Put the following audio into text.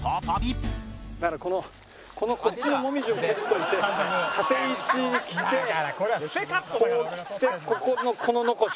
このこのこっちのもみじを撮っておいて縦位置来てこう来てここのこの残し。